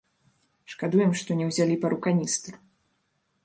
Шкадуем, што не ўзялі пару каністр.